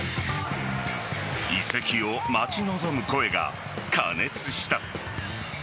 移籍を待ち望む声が過熱した。